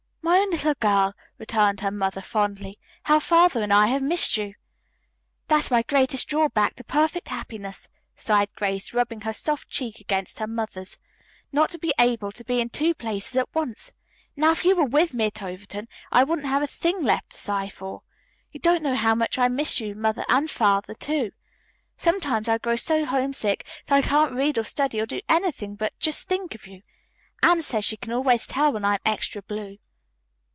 "My own little girl," returned her mother fondly. "How Father and I have missed you!" "That's my greatest drawback to perfect happiness," sighed Grace, rubbing her soft cheek against her mother's: "Not to be able to be in two places at once. Now, if you were with me at Overton I wouldn't have a thing left to sigh for. You don't know how much I miss you, Mother, and Father, too. Sometimes I grow so homesick that I can't read or study or do anything but just think of you. Anne says she can always tell when I am extra blue."